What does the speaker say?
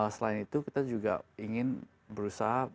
selain itu kita juga ingin berusaha bagi mereka